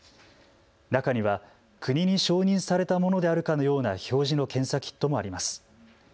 中には国に承認されたものであるかのような表示の検査キットもあります。